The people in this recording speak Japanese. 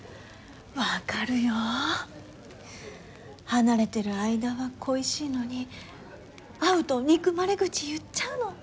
離れてる間は恋しいのに会うと憎まれ口言っちゃうの。